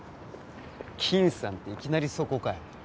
金さんっていきなりそこかよ。